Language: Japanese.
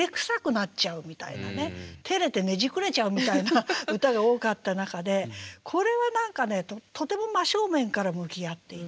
てれてねじくれちゃうみたいな歌が多かった中でこれは何かねとても真正面から向き合っていて。